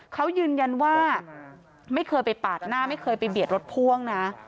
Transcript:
เขายืนยันว่าไม่เคยไปปาดหน้าไม่เคยไปเบียดรถพ่วงนะ